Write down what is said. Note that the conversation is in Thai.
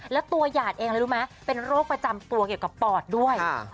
แล้วตัวหยาดเองอะไรรู้ไหมเป็นโรคประจำตัวเกี่ยวกับปอดด้วย